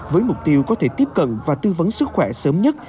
với mục tiêu có thể tiếp cận và tư vấn sức khỏe sớm nhất